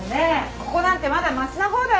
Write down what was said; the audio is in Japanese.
ここなんてまだマシなほうだよ。